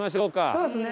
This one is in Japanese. そうですね。